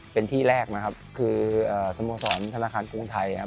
เป็นที่แรกนะครับคือสโมสรธนาคารกรุงไทยครับ